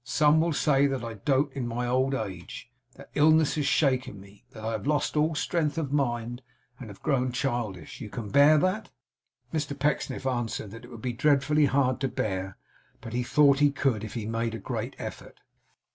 'Some will say that I dote in my old age; that illness has shaken me; that I have lost all strength of mind, and have grown childish. You can bear that?' Mr Pecksniff answered that it would be dreadfully hard to bear, but he thought he could, if he made a great effort.